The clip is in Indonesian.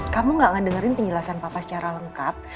kamu gak ngedengerin penjelasan papa secara lengkap